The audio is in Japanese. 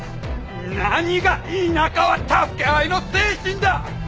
何が田舎は助け合いの精神だ！